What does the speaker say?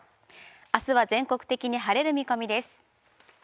あすは全国的に晴れる見込みです。